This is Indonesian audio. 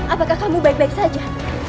apakah kamu baik baik saja